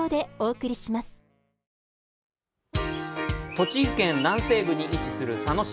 栃木県南西部に位置する佐野市。